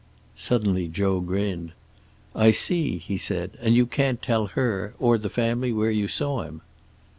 Suddenly Joe grinned. "I see," he said. "And you can't tell her, or the family, where you saw him!"